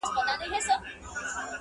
• چي زه دي ساندي اورېدلای نه سم -